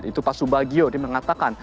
itu pak subagio dia mengatakan